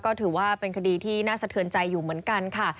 ก็ถือว่าเป็นคดีที่น่าสะเทือนใจอยู่เหมือนกันค่ะ